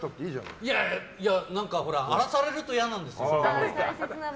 いやいや何か荒らされると嫌なんですよ。